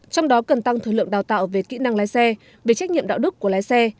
trong đó cần tăng thời lượng đào tạo về kỹ năng lái xe về trách nhiệm đạo đức của lái xe